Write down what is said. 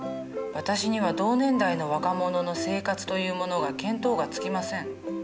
私には同年代の若者の生活というものが見当がつきません。